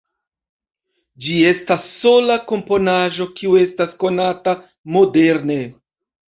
Ĝi estas sola komponaĵo kiu estas konata moderne.